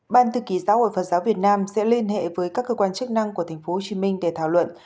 ban thư ký giáo hội phật giáo việt nam sẽ liên hệ với các cơ quan chức năng của tp hcm để thảo luận